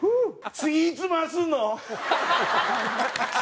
「次いつ回すの？」。